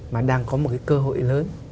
mà đang có một cơ hội lớn